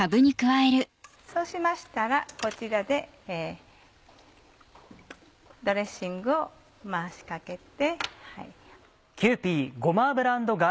そうしましたらこちらでドレッシングを回しかけて。